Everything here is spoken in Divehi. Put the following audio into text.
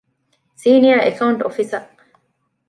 ސީނިއަރ އެކައުންޓް އޮފިސަރ